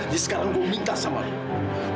jadi sekarang gue minta sama lo